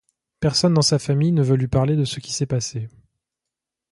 Personne dans sa famille ne veut lui parler de ce qui s’est passé.